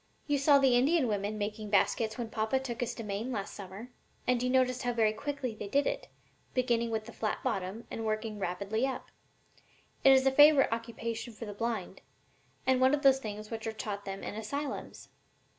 You saw the Indian women making baskets when papa took us to Maine last summer, and you noticed how very quickly they did it, beginning with the flat bottom and working rapidly up. It is a favorite occupation for the blind, and one of the things which are taught them in asylums."